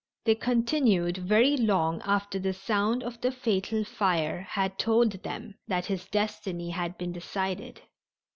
They continued very long after the sound of the fatal fire had told them that his destiny had been decided.